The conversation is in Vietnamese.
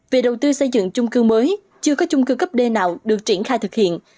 về đầu tư xây dựng chung cư mới chưa có chung cư cấp d nào được triển khai thực hiện